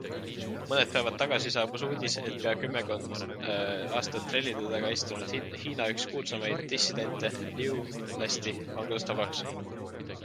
Mõned päevad tagasi saabus uudis, et pea kümmekond aastat trellide taga istunud Hiina üks kuulsaimaid dissidente Liu lasti vanglast vabaks.